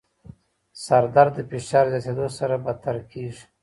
سردرد د فشار زیاتېدو سره بدتر کېږي.